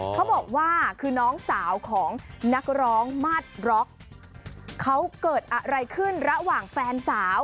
เขาบอกว่าคือน้องสาวของนักร้องมาตร็อกเขาเกิดอะไรขึ้นระหว่างแฟนสาว